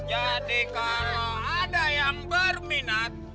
jadi kalau ada yang berminat